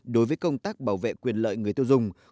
đối với công tác bảo vệ quyền lợi người tiêu dùng